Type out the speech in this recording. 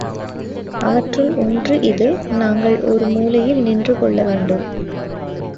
அவற்றுள் ஒன்று இது நாங்கள் ஒரு மூலையில் நின்று கொள்ள வேண்டும்.